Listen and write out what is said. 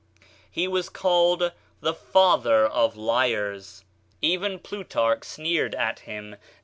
He was called "the father of liars." Even Plutarch sneered at him.